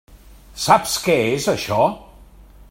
Saps què és això?